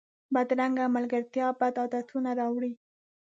بدرنګه ملګرتیا بد عادتونه راوړي